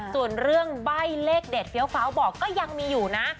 ส่วนเรื่องใบ้เลขเด็ดเฟี้ยวฟ้าวบอกก็ยังมีอยู่นะ